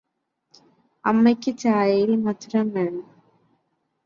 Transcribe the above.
അമ്മയ്ക്ക് ചായയിൽ മധുരം വേണോ?